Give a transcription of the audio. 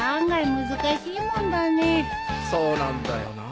そうなんだよな。